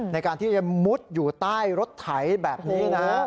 ในการที่จะมุดอยู่ใต้รถไถแบบนี้นะ